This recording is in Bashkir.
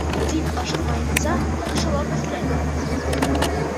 Тик ашыҡмайынса, яҡшылап эҙләйек.